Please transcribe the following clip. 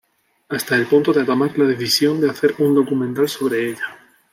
Hasta el punto de tomar la decisión de hacer un documental sobre ella.